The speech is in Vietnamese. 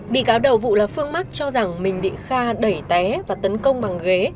bị cáo đầu vụ là phương mắc cho rằng mình bị kha đẩy té và tấn công bằng ghế